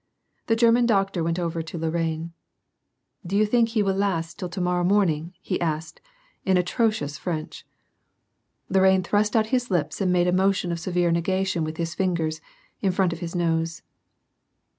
The German doctor went over to Lorrain; "Do you think he will last till to morrow morn ing?'' he asked, in atrocious French. Lorrain thrust out his lips and made a motion of severe negation with his fingers, in front of his nose.